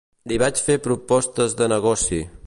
Li vaig fer propostes de negoci.